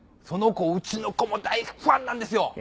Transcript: その子うちの子も大ファンなんですよ。